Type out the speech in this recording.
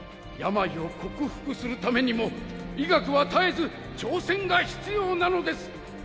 病を克服するためにも医学は絶えず挑戦が必要なのです。